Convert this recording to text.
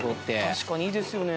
確かにいいですよね。